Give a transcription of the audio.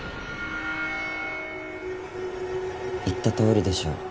言ったとおりでしょ？